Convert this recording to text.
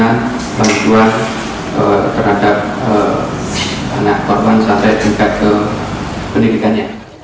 dan kemudian terhadap anak korban sampai tingkat ke pendidikannya